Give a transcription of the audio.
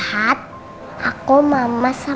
siapa yang nggak kebal